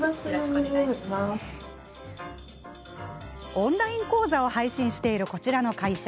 オンライン講座を配信しているこちらの会社。